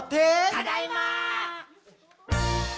「ただいま！」